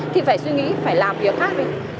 thì phải suy nghĩ phải làm việc khác